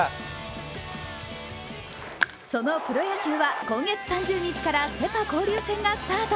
そのプロ野球は今月３０日からセ・パ交流戦がスタート。